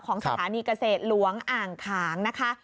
สถานีเกษตรหลวงอ่างขางนะคะ